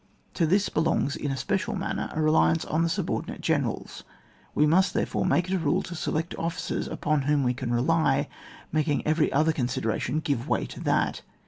To this belongs in especial manner a reliance on the sub ordinate generals; we must, therefore, make it a rule to select officers upon whom we can rely, making every other consideration give way to that.